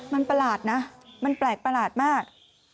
มันประหลาดนะมันแปลกประหลาดมาก